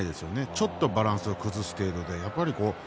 ちょっとバランスを崩す程度でしたね。